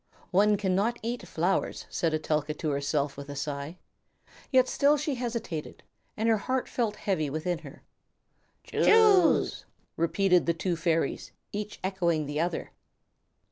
"One cannot eat flowers," said Etelka to herself with a sigh; yet still she hesitated, and her heart felt heavy within her. "Choose," repeated the two fairies, each echoing the other.